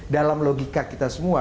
dalam logika kita semua